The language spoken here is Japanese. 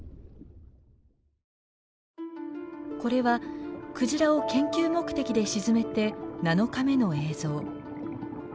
これはクジラを研究目的で沈めて７日目の映像。